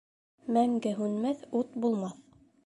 Мәңге һүнмәҫ ут булмаҫ.